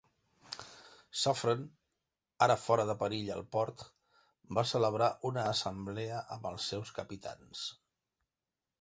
Suffren, ara fora de perill al port, va celebrar una assemblea amb els seus capitans.